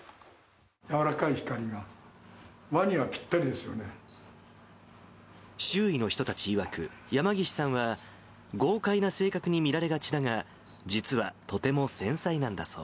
柔らかい光が、和にはぴった周囲の人たちいわく、山岸さんは、豪快な性格に見られがちだが、実はとても繊細なんだそう。